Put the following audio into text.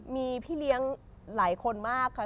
มีพี่เลี้ยงหลายคนมากค่ะ